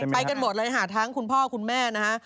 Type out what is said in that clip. ไปกันหมดเลยค่ะทั้งคุณพ่อคุณแม่นะฮะ